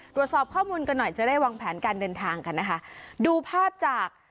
ตรวจสอบข้อมูลกันหน่อยจะได้วางแผนการเดินทางกันนะคะดูภาพจาก